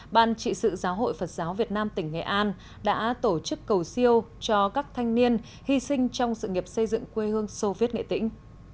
ban trị sự giáo hội phật giáo việt nam tỉnh nghệ an đã tổ chức cầu siêu cho các thanh niên hy sinh trong sự nghiệp xây dựng quê hương soviet nghệ tĩnh